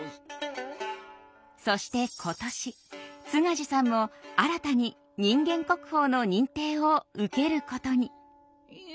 そして今年津賀寿さんも新たに人間国宝の認定を受けることに。